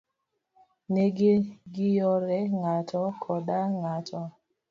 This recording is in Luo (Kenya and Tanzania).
Negi ngiyore ng'ato koda ng' ato.